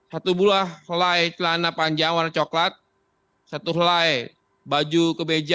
satu buah lay celana panjang warna coklat satu helai baju kemeja